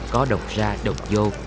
có đồng ra đồng vô